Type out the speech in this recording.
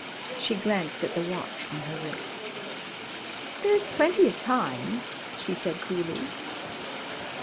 She glanced at the watch on her wrist. "There is plenty of time," she said coolly.